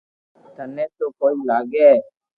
ٿني تو ڪوئي لاگي